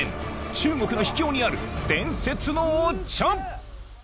中国の秘境にある伝説のお茶］